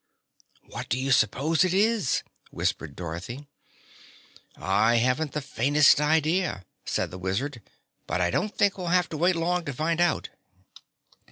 "What do you suppose it is?" whispered Dorothy. "I haven't the faintest idea," said the Wizard, "but I don't think we'll have to wait long to find out."